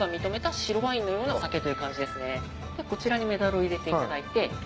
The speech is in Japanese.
こちらにメダルを入れていただいて。